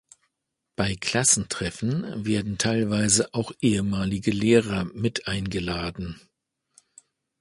Bei Klassentreffen werden teilweise auch ehemalige Lehrer mit eingeladen.